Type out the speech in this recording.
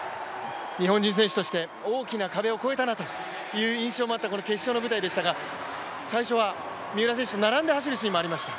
日本人選手として大きな壁を超えたなという印象もありましたが最初は三浦選手と並んで走るシーンもありました。